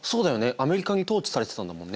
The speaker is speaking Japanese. アメリカに統治されてたんだもんね。